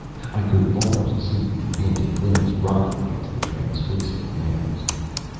I could almost see the painted limbs writhe against the transfixing nails.